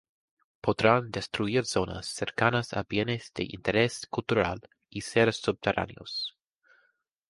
podrán destruir zonas cercanas a Bienes de Interés Cultural y ser subterráneos